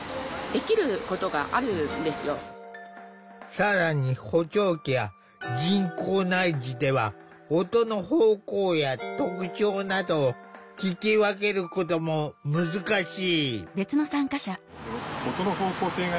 更に補聴器や人工内耳では音の方向や特徴などを聞き分けることも難しい。